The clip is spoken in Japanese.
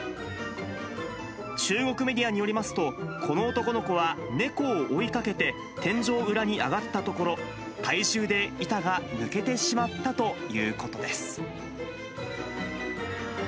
中国メディアによりますと、この男の子は猫を追いかけて天井裏に上がったところ、体重で板が抜けてしまったということです。